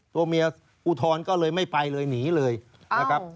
ตัวเมียอุทธรณ์ก็เลยไม่ไปเลยหนีเลยนะครับ